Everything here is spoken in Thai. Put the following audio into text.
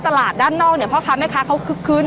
ตลาดด้านนอกเนี่ยพ่อค้าแม่ค้าเขาคึกคื้น